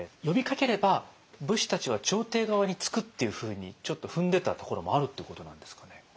呼びかければ武士たちは朝廷側につくっていうふうにちょっと踏んでたところもあるっていうことなんですかね。